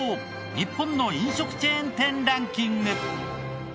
日本の飲食チェーン店ランキング。